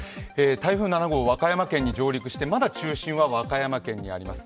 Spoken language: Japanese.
台風７号、和歌山県に上陸してまだ中心は和歌山県にあります。